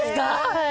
はい。